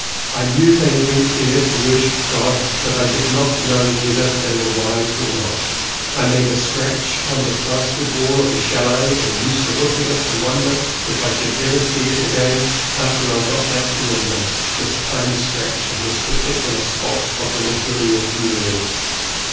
I knew they went there to worship God but I did not know whether they were wise or not. I made a scratch on the plastered wall of a chalet and used to look at it and wonder if I should ever see it again after I got back to England — this tiny scratch on this particular spot of the material universe.